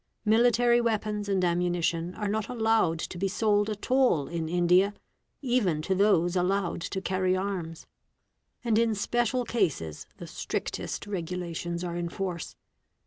Military Weapons and ammunition are not allowed to be sold at all in India, even to those allowed to carry arms; and in special cases, the strictest regu lations are in force.